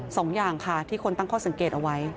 สองอย่างค่ะที่คนตั้งข้อสังเกตเอาไว้